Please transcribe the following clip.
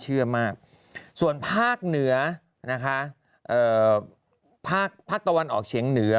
เชื่อมากส่วนภาคเหนือนะคะภาคภาคตะวันออกเฉียงเหนือ